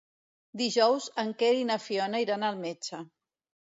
Dijous en Quer i na Fiona iran al metge.